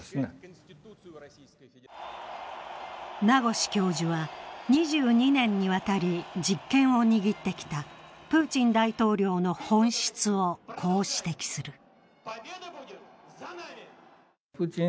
名越教授は、２２年にわたり実権を握ってきたプーチン大統領の本質をこう指摘する。